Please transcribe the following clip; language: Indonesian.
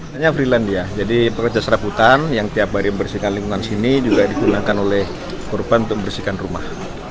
hanya freelan dia jadi pekerja serabutan yang tiap hari membersihkan lingkungan sini juga digunakan oleh korban untuk membersihkan rumah